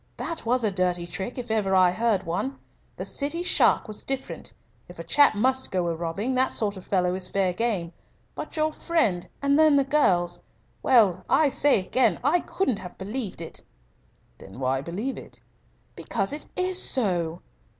That was a dirty trick, if ever I heard one. The City shark was different. If a chap must go a robbing, that sort of fellow is fair game. But your friend, and then the girls well, I say again, I couldn't have believed it." "Then why believe it?" "Because it is so."